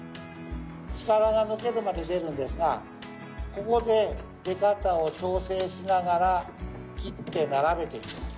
力が抜けるまで出るんですがここで出方を調整しながら切って並べていきます。